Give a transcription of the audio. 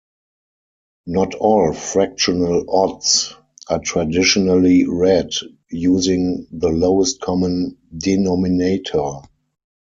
Not all fractional odds are traditionally read using the lowest common denominator.